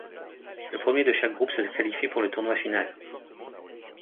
Le premier de chaque groupe se qualifie pour le tournoi final.